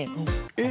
えっ？